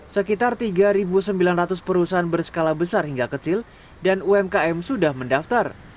sekitar tiga sembilan ratus perusahaan berskala besar hingga kecil dan umkm sudah mendaftar